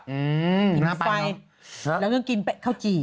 อืมหินไฟแล้วยังกินแปลกข้าวจี